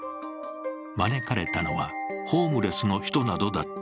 招かれたのは、ホームレスの人などだった。